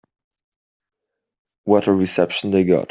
What a reception they got.